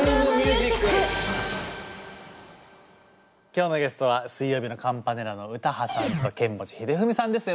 今今日のゲストは水曜日のカンパネラの詩羽さんとケンモチヒデフミさんです。